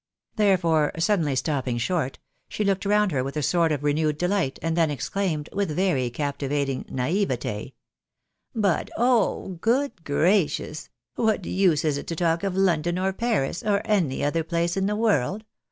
Therefore, stopping suddenly short, she looked round her with a sort of re newed delight, and then exclaimed, with very captivating naivete —" But oh ! Good gracious ! What use is it to talk of London, or Paris, or any other place in the world